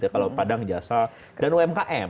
kalau padang jasa dan umkm